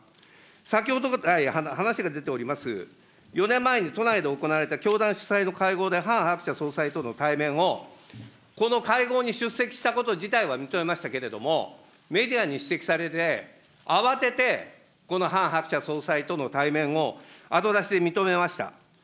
先ほど来、話が出ております、４年前に都内で行われた教団主催の会合で、ハン・ハクチャ総裁との対面を、この会合に出席したこと自体は認めましたけれども、メディアに指摘されて、慌ててこのハン・ハクチャ総裁との対面を後出しで認めました。